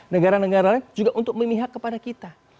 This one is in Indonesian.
negara negara lain juga untuk memihak kepada kita